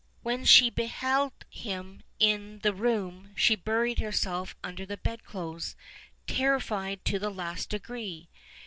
"When she beheld him in the room she buried herself under the bedclothes, terrified to the last degree.